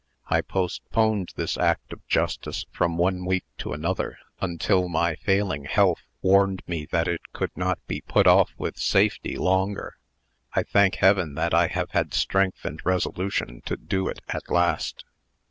I postponed this act of justice from one week to another, until my failing health warned me that it could not be put off with safety longer. I thank Heaven that I have had strength and resolution to do it at last."